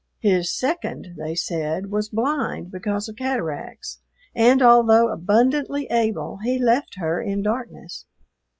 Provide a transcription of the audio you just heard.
His "second," they said, was blind because of cataracts, and, although abundantly able, he left her in darkness.